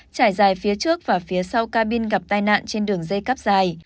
trải dài phía trước và phía sau cabin gặp tai nạn trên đường dây cắp dài